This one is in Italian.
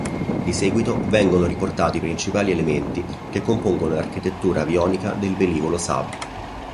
Di seguito vengono riportati i principali elementi che compongono l'architettura avionica del velivolo Saab.